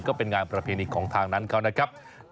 ก็เป็นงานประเพณีของทางนั้นเขานะครับ